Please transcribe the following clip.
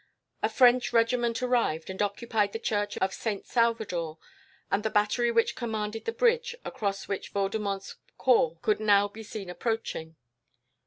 A French regiment arrived, and occupied the church of Saint Salvador, and the battery which commanded the bridge, across which Vaudemont's corps could now be seen approaching.